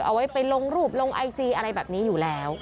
เอาไว้ไปลงรูปลงไอจีอะไรแบบนี้อยู่แล้ว